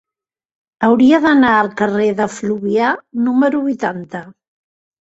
Hauria d'anar al carrer de Fluvià número vuitanta.